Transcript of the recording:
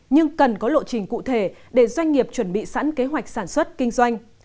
nhưng cần có lộ trình cụ thể để doanh nghiệp chuẩn bị sẵn kế hoạch sản xuất kinh doanh